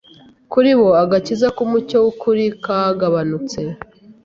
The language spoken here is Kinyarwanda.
Kuri bo agakiza k'umucyo w'ukuri kagabanutse